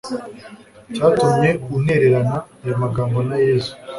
cyatumye untererana ayo magambo na Yezu